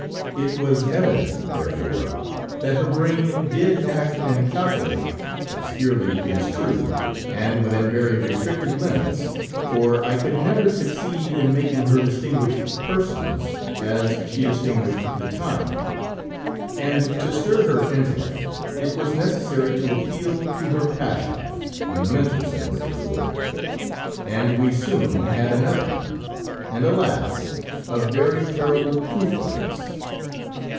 "It was evident, therefore, that her brain did act and calculate, obscurely it is true, and within very restricted limits, for I could never succeed in making her distinguish persons as she distinguished the time; and to stir her intellect, it was necessary to appeal to her passions, in the material sense of the word, and we soon had another, and alas! a very terrible proof of this!"